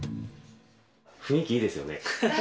雰囲気いいですよね。